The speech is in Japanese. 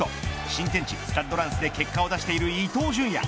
新天地スタッド・ランスで結果を出している伊東純也。